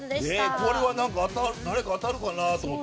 これは誰か当たるかなと思って。